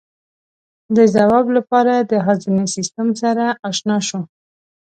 د ځواب لپاره د هاضمې سیستم سره آشنا شو.